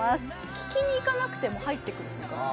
聴きにいかなくても入ってくるっていうか。